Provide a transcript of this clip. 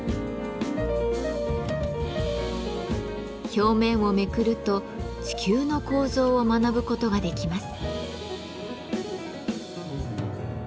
表面をめくると地球の構造を学ぶことができます。